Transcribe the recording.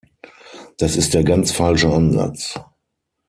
Das ist der ganz falsche Ansatz.